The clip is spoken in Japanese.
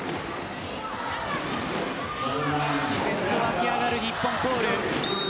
自然と沸き上がる日本コール。